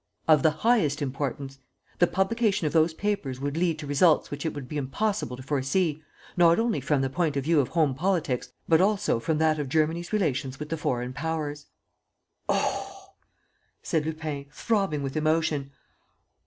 "Of the highest importance. The publication of those papers would lead to results which it would be impossible to foresee, not only from the point of view of home politics, but also from that of Germany's relations with the foreign powers." "Oh!" said Lupin, throbbing with emotion.